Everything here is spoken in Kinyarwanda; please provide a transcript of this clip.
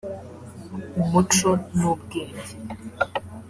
umuco n'ubwenge